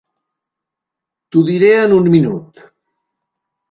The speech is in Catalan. T'ho diré en un minut.